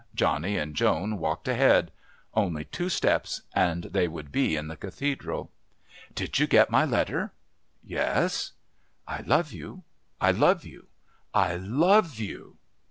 Johnny and Joan walked ahead. Only two steps and they would be in the Cathedral. "Did you get my letter?" "Yes." "I love you, I love you, I love you."